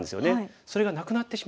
それがなくなってしまいました。